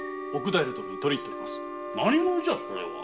何者じゃそれは？